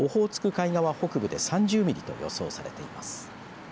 海側北部で３０ミリと予想されています。